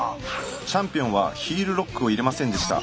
チャンピオンはヒールロックを入れませんでした。